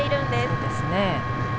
そうですね。